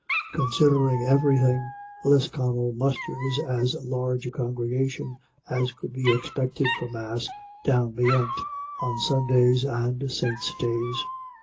CONSIDERING everything, Lisconnel musters as large a congregation as could be expected for Mass down beyant on Sundays and saints 1 days.